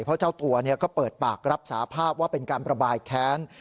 เพราะเจ้าตัวก็เปิดปากรับสาภาพว่าเป็นการประบายแค้น